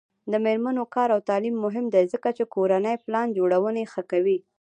د میرمنو کار او تعلیم مهم دی ځکه چې کورنۍ پلان جوړونې ښه کوي.